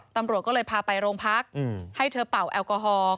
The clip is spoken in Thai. ตำรวจก็เลยพาไปโรงพักให้เธอเป่าแอลกอฮอล์